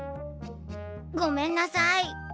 ごめんなさい。